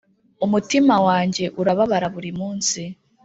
umutima wanjye urababara buri munsi.